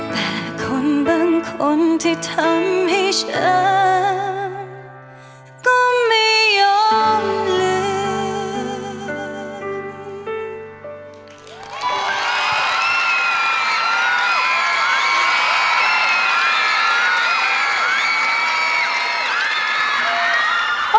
แต่คนบางคนที่ทำให้ฉันก็ไม่ยอมลืม